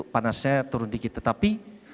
panasnya turun dikit tetapi